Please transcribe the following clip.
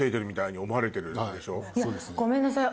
いやごめんなさい